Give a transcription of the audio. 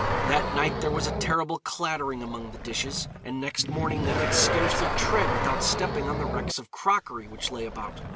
That night there was a terrible clattering among the dishes, and next morning they could scarcely tread without stepping on the wrecks of crockery which lay about.